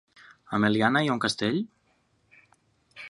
A Meliana hi ha un castell?